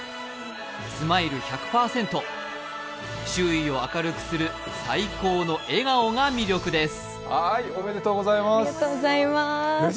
スマイル１００％、周囲を明るくする最高の笑顔が魅力です。